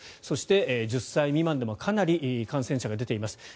そして１０歳未満でもかなり感染者が出ています。